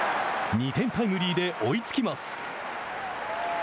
２点タイムリーで追いつきます。